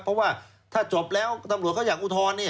เพราะว่าถ้าจบแล้วตำรวจเขาอยากอุทธรณ์